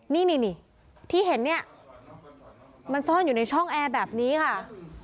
นี่ที่เห็นเนี่ยมันซ่อนอยู่ในช่องแอร์แบบนี้ค่ะ